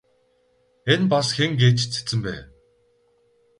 Энэ бас хэн гээч цэцэн бэ?